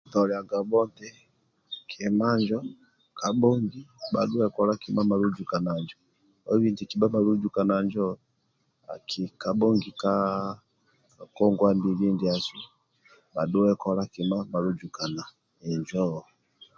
Toliagabho nti kima injo kabhongi bhadhuwe kola kima malujukana injo oibi kima malujukana injo kabhongi ka ngongwa mbili ndiasu bhadhue kola kima malujakana injo